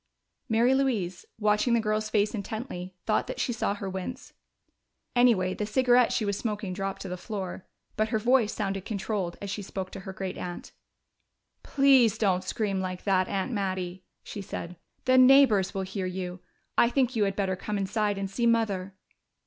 Mary Louise, watching the girl's face intently, thought that she saw her wince. Anyway, the cigarette she was smoking dropped to the floor. But her voice sounded controlled as she spoke to her great aunt. "Please don't scream like that, Aunt Mattie," she said. "The neighbors will hear you. I think you had better come inside and see Mother."